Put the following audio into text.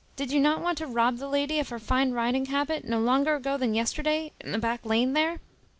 Did you not want to rob the lady of her fine riding habit, no longer ago than yesterday, in the back lane here?